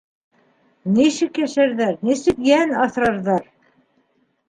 Нисек йәшәрҙәр, нисек йән аҫрарҙар?